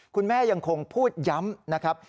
คุณแม่ยังคงพูดย้ำนะครับ